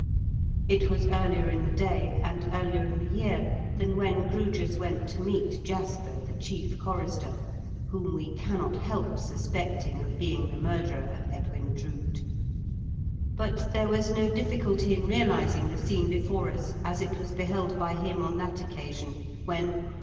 It was earlier in the day, and earlier in the year, than when Grewgious went to meet Jasper, the chief chorister, whom we cannot help suspecting of being the murderer of Edwin Drood ; but there was no difficulty in realising the scene before us as it was beheld by him on that occasion, when — 48 IN KENT WITH CHABLE8 DIGEEN8.